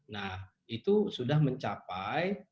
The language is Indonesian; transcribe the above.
nah itu sudah mencapai